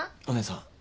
お姉さん。